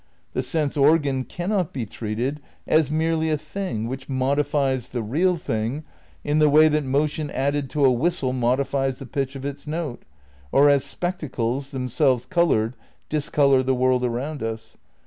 The sense organ cannot be treated as merely a thing which modifies the real thing in the way that motion added to a whistle modifies the pitch of its note or as spectacles, themselves coloured, discolour the world around us.